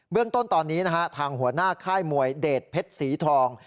เรื่องต้นตอนนี้นะฮะทางหัวหน้าค่ายมวยเดชเพชรสีทอง